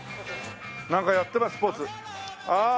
なんかやってますスポーツ。